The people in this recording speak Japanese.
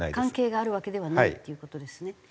関係があるわけではないっていう事ですね。